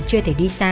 chưa thể đi xa